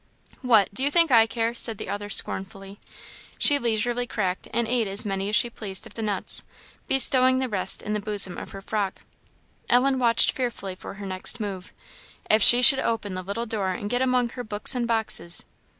"What, do you think I care?" said the other, scornfully. She leisurely cracked and ate as many as she pleased of the nuts, bestowing the rest in the bosom of her frock. Ellen watched fearfully for her next move. If she should open the little door and get among her books and boxes!